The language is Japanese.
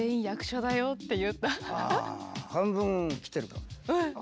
半分きてるかも。